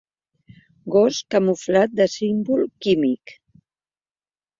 Gos camuflat de símbol químic.